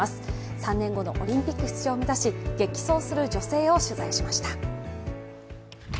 ３年後のオリンピック出場を目指し激走する女性を取材しました。